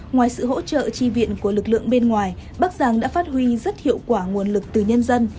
ngoài sự hỗ trợ chi viện của lực lượng bên ngoài bắc giang đã phát huy rất hiệu quả nguồn lực từ nhân dân